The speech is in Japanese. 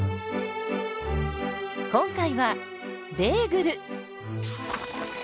今回はベーグル！